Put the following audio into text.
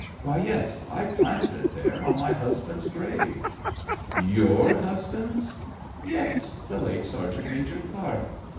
'Why yes! I planted it there on my husband's grave.' 'Your husband's!' 'Yes. The late Sergeant Major Clark.